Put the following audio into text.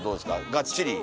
がっちり？